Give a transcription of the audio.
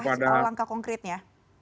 seperti apa langkah langkah konkretnya